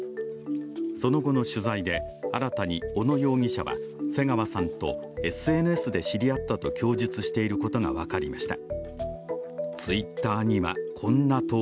その後の取材で新たに小野容疑者は瀬川さんとＳＮＳで知り合ったと供述していることが分かりました。